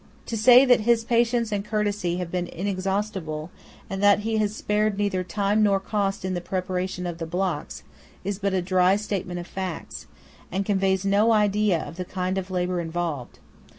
To say that his patience and courtesy have been inexhaustible, and that he has spared neither time nor cost in the preparation of the blocks, is but a dry statement of facts, and conveys no idea of the kind of labour involved.